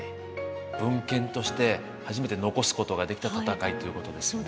文献として初めて残すことができた戦いということですよね。